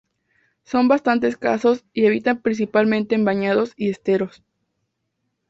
Son bastante escasos y habitan principalmente en bañados y esteros.